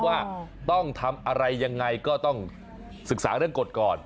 ว่าต้องทำอะไรยังไงก็ต้องศึกษาเรื่องกฎก่อน